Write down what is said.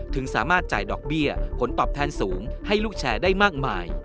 สามารถจ่ายดอกเบี้ยผลตอบแทนสูงให้ลูกแชร์ได้มากมาย